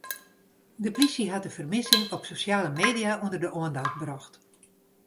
De plysje hat de fermissing op sosjale media ûnder de oandacht brocht.